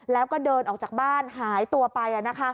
แล้วก็เดินออกจากบ้านหายตัวไป